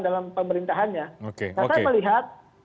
dalam pemerintahannya nah saya melihat